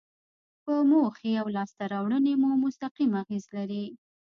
په موخې او لاسته راوړنې مو مستقیم اغیز لري.